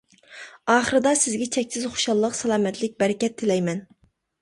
ئاخىرىدا سىزگە چەكسىز خۇشاللىق، سالامەتلىك، بەرىكەت تىلەيمەن!